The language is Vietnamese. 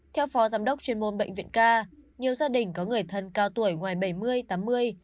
theo phó giám đốc chuyên môn bệnh viện k nhiều gia đình có người thân cao tuổi ngoài bảy mươi tám mươi